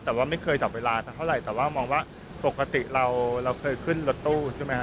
แต่ว่าไม่เคยจับเวลาสักเท่าไหร่แต่ว่ามองว่าปกติเราเคยขึ้นรถตู้ใช่ไหมฮ